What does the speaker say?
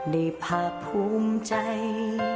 ได้ภาคภูมิใจ